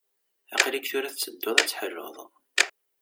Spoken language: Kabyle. Aql-ik tura tettedduḍ ad teḥluḍ.